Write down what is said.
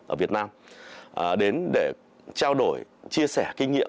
ở việt nam đến để trao đổi chia sẻ kinh nghiệm